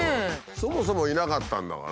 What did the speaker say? そもそもいなかったんだから。